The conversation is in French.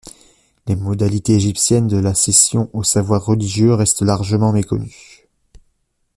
Les modalités égyptiennes de l'accession au savoir religieux restent largement méconnues.